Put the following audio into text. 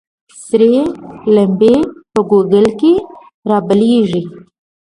ســـــــرې لمـبـــــې په ګوګـل کــې رابلـيـــږي